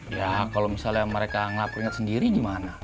ya kalau misalnya mereka ngelap keringat sendiri gimana